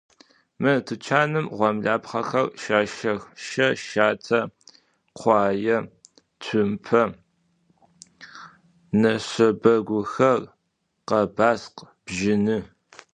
Mı tuçanım ğomlapxhexer şaşex: şe, şate, khuaê, tsumpe, neşşebeguxer, khebaskh, bjını.